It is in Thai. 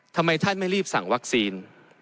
ทำไมท่านไม่รีบสั่งวัคซีน